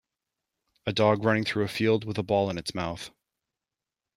A dog running through a field with a ball in its mouth